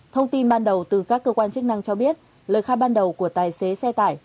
thông tin ban đầu từ các cơ quan chức năng cho biết lời khai ban đầu của tài xế xe tải